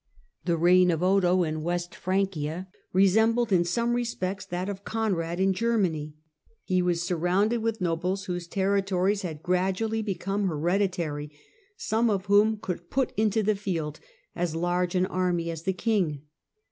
The reign of Odo in West Francia resembled in some respects that of Conrad in Germany. He was surrounded with nobles whose territories had gradually THE BREAK UP OF THE CAROLINGIAN EMPIRE 221 become hereditary, some of whom could put into the field as large an army as the king.